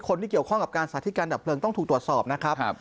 คนที่เกี่ยวข้องกับการสาธิการดับเพลิงต้องถูกตรวจสอบนะครับ